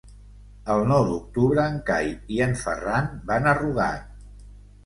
El nou d'octubre en Cai i en Ferran van a Rugat.